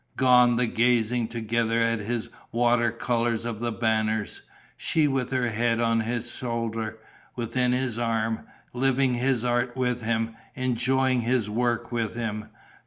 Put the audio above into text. Gone the gazing together at his water colour of The Banners, she with her head on his shoulder, within his arm, living his art with him, enjoying his work with him!